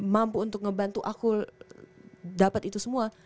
mampu untuk ngebantu aku dapet itu semua